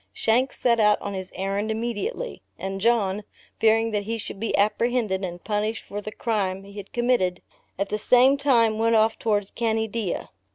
Shanks set out on his errand immediately, and John, fearing that he should be apprehended and punished for the crime he had committed, at the same time went off towards Caneadea.